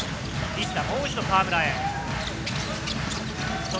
西田、もう一度、河村へ。